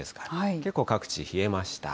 結構各地冷えました。